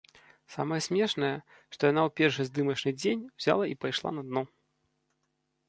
Самая смешнае, што яна ў першы здымачны дзень узяла і пайшла на дно.